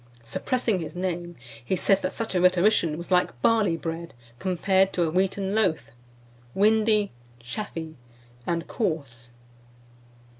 Suppressing his name, he says that such a rhetorician was like barley bread compared to a wheaten loaf, windy, chaffy, and coarse.